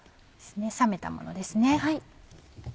冷めたものです。